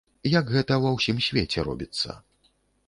Як гэта ва ўсім свеце робіцца.